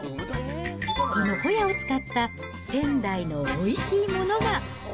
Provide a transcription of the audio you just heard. このホヤを使った仙台のおいしいものが。